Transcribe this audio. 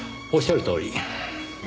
おっしゃるとおり。